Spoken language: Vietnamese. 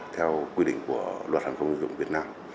theo quy định của luật hàng không dùng việt nam